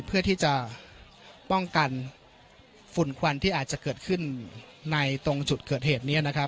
เพื่อที่จะป้องกันฝุ่นควันที่อาจจะเกิดขึ้นในตรงจุดเกิดเหตุนี้นะครับ